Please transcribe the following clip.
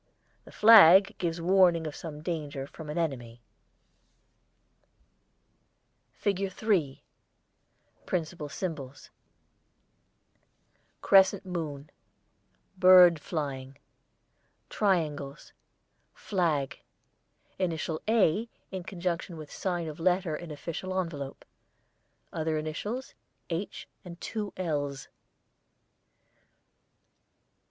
The flag gives warning of some danger from an enemy. [ILLUSTRATION 3] FIG. 3 Principal Symbols: Crescent moon. Bird flying. Triangles. Flag. Initial 'A' in conjunction with sign of letter in official envelope. Other initials, 'H' and two 'L's.'